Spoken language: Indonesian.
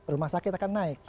rumah sakit akan naik